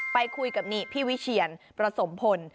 ไปคุยกับนี่พี่วิเชียนประสมพล